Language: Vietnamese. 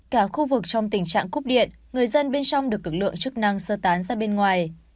cả khu vực trong tình trạng cúp điện người dân bên trong được lực lượng chức năng sơ tán ra bên ngoài